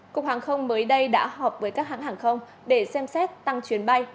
cục hàng không mới đây đã họp với các hãng hàng không để xem xét tăng chuyến bay